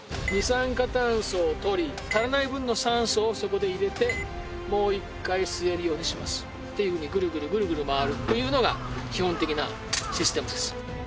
二酸化炭素を取り足らない分の酸素をそこで入れてもう一回吸えるようにしますっていうふうにグルグルグルグル回るというのが基本的なシステムです